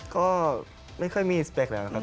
ก็ไม่เคยมีสเปกแล้วนะครับ